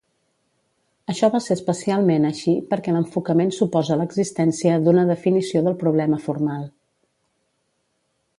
Això va ser especialment així perquè l'enfocament suposa l'existència d'una definició del problema formal.